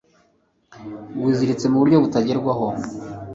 Wiziritse muburyo butagerwaho